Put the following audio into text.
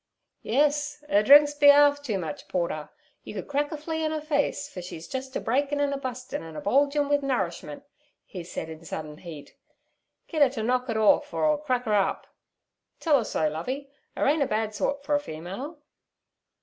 'Yes, 'er drinks be 'arf too much porter. You could crack a flea on 'er face, fer she's jus' a breakin', an' a bustin', an' a bulgin'wi nourishment' he said in sudden heat. 'Git 'er ter knock it orf or 'er'll crack up. Tell 'er so, Lovey. 'Er ain't a bad sort for a female.'